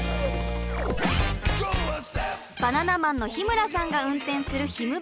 バナナマンの日村さんが運転するひむ